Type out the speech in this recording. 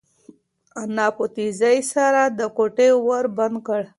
انا په تېزۍ سره د کوټې ور بند کړ.